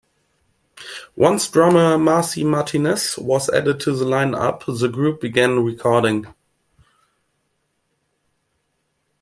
Once drummer Marci Martinez was added to the line-up, the group began recording.